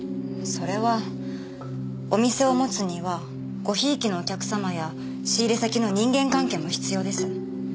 それはお店を持つにはごひいきのお客様や仕入先の人間関係も必要です。